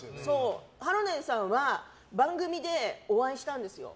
ハロネンさんは番組でお会いしたんですよ。